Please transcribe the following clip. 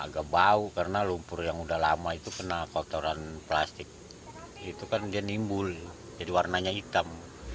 agak bau karena lumpur yang udah lama itu kena kotoran plastik itu kan dia nimbul jadi warnanya hitam